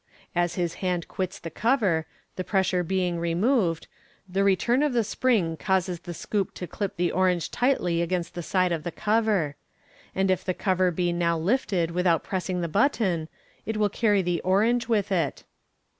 As his hand quits the cover, the pressure being removed, the return of the spring Fig. 187. sst MODERN MAGIC. causes the scoop to clip the orange tightly against the side of the cover j and if the cover be now lifted without pressing the button, it will carry the orange with it.